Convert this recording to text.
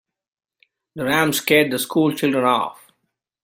The ram scared the school children off.